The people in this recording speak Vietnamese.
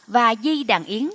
và di đàn yến